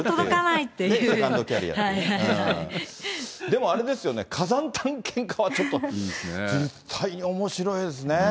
でもあれですよね、火山探検家はちょっと、実際におもしろいですね。